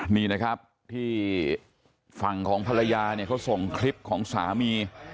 นี่นะครับที่ฝั่งของภรรยาเนี่ยเขาส่งคลิปของสามี